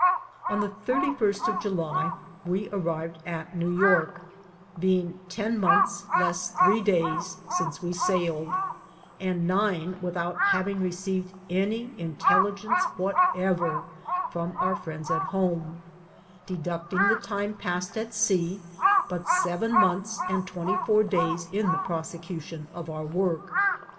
On the thirty first of July we arrived at New York, being ten months less three days since we sailed, and nine without having received any intelligence whatever from our friends at home ; deducting the time passed at sea, but seven months and twenty four days in the prosecution of our work.